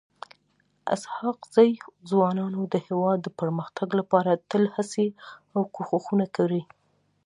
اسحق زي ځوانانو د هيواد د پرمختګ لپاره تل هڅي او کوښښونه کړي.